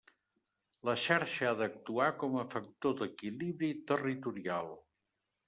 La xarxa ha d'actuar com a factor d'equilibri territorial.